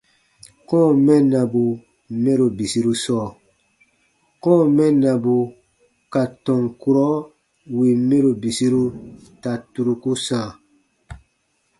Kɔ̃ɔ mɛnnabu mɛro bisiru sɔɔ : kɔ̃ɔ mɛnnabu ka tɔn kurɔ wìn mɛro bisiru ta turuku sãa.